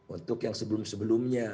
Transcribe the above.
untuk yang sebelum sebelumnya